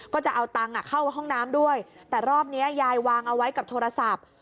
ก็จะเอาตังค์เข้าห้องน้ำด้วยแต่รอบนี้ยายวางเอาไว้กับโทรศัพท์